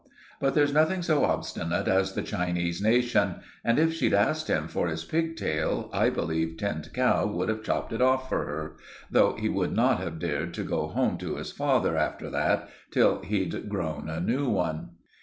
But there's nothing so obstinate as the Chinese nation; and if she'd asked him for his pigtail, I believe Tinned Cow would have chopped it off for her, though he would not have dared to go home to his father after that till he'd grown a new one.